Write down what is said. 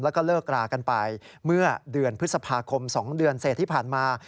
แล้วก็เลิกรากันไปเมื่อเดือนพฤษภาคม๒เดือนเสร็จที่ผ่านมา